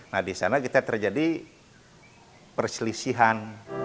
nah di sana kita terjadi perselisihan